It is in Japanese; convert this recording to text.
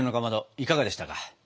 いかがでしたか？